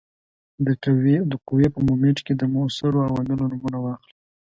د قوې په مومنټ کې د موثرو عواملو نومونه واخلئ.